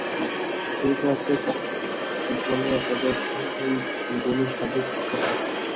কথিত আছে, কোন সময়ে এক বনে এক রাজার সহিত জনৈক সাধুর সাক্ষাৎ হয়।